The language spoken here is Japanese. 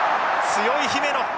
強い姫野。